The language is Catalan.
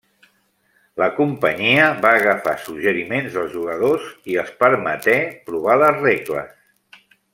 La companyia va agafar suggeriments dels jugadors i els permeté provar les regles.